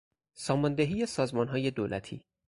ساماندهی سازمانهای دولتی